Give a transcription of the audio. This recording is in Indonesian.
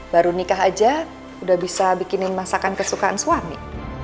baru nikah aja udah bisa bikinin masakan kesukaan suami